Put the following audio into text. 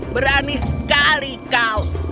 berani sekali kau